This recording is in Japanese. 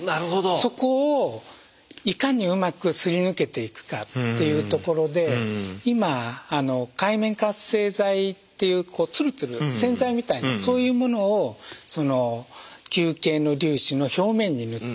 そこをいかにうまくすり抜けていくかっていうところで今界面活性剤っていうつるつる洗剤みたいなそういうものを球形の粒子の表面に塗って。